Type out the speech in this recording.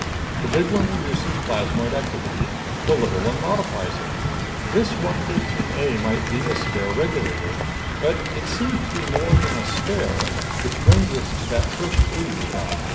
The big one induces plasmoid activity, the little one modifies it. This 113 A might be a spare regulator. But it seems to be more than a spare which brings us to that first lead we got.